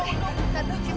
sita udah tenang mak